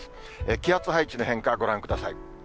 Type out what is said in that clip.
気圧配置の変化、ご覧ください。